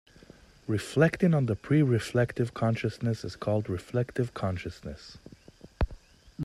Reflecting on the pre-reflective consciousness is called "reflective" consciousness.